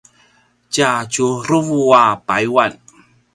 tja tjuruvu a payuan